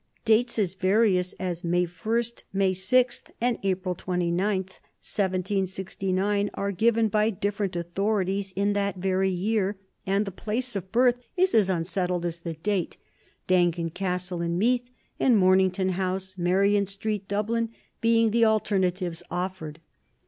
Dates as various as May 1, May 6, and April 29, 1769, are given by different authorities in that very year, and the place of birth is as unsettled as the date, Dangan Castle in Meath, and Mornington House, Merrion Street, Dublin, being the alternatives offered.